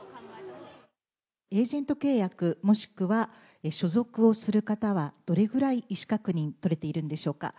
エージェント契約、もしくは所属をする方はどれぐらい意思確認、取れているんでしょうか。